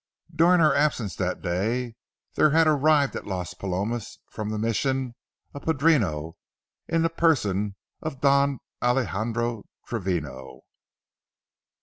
During our absence that day, there had arrived at Las Palomas from the Mission, a padrino in the person of Don Alejandro Travino.